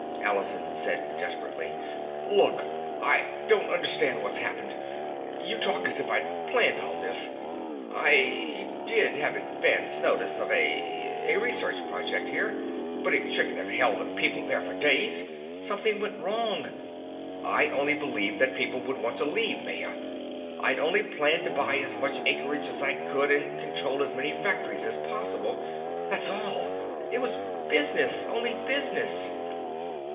Allison, said desperately, "Look! I—don't understand what's happened. You talk as if I'd planned all this. I—did have advance notice of a—a research project here. But it shouldn't have held the people there for days! Something went wrong! I only believed that people would want to leave Maya. I'd only planned to buy as much acreage as I could, and control of as many factories as possible. That's all! It was business! Only business!"